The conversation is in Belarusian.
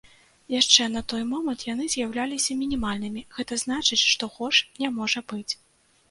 Яшчэ на той момант яны з'яўляліся мінімальнымі, гэта значыць, што горш не можа быць.